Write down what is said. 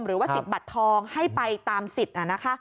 หรือว่าสิทธิ์บัตรทองให้ไปตามสิทธิ์